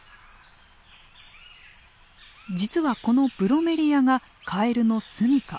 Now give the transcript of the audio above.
実はこのブロメリアがカエルの住みか。